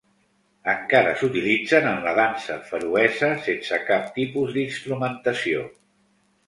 Encara s'utilitzen en la dansa feroesa sense cap tipus d'instrumentació.